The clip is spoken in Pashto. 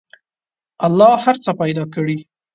الله هر څه پیدا کړي.